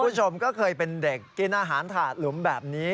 คุณผู้ชมก็เคยเป็นเด็กกินอาหารถาดหลุมแบบนี้